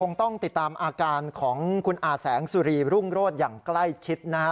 คงต้องติดตามอาการของคุณอาแสงสุรีรุ่งโรศอย่างใกล้ชิดนะฮะ